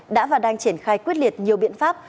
đã và đang triển khai quyết liệt nhiều biện pháp